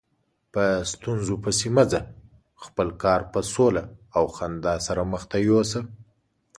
په ستونزو پسې مه ځه، خپل کار په سوله او خندا سره مخته یوسه.